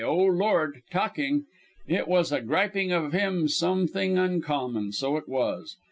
O Lord ! talking, it was a griping of him something uncommon, so it was.